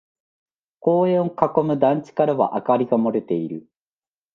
公園を囲む団地からは明かりが漏れている。